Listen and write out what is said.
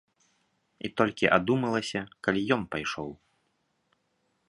І толькі адумалася, калі ён пайшоў.